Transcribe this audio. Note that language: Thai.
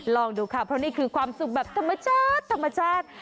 ลองดูค่ะเพราะนี่คือความสุขแบบธรรมชาติธรรมชาติ